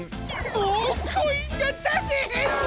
もうコインがだせへんわ！